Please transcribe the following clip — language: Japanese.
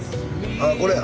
あこれや。